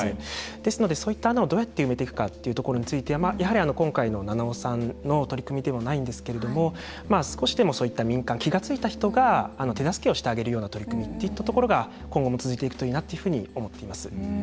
ですので、そういった穴をどう埋めていくのかというのは今回の七尾さんの取り組みではないんですけれども少しでも、民間気が付いた人が手助けをしてあげるような取り組みというのが今後も続いていくといいなと思っています。